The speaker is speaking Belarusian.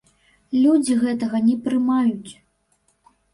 Людзі гэтага не прымаюць.